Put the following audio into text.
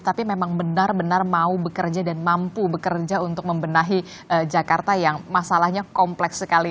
tapi memang benar benar mau bekerja dan mampu bekerja untuk membenahi jakarta yang masalahnya kompleks sekali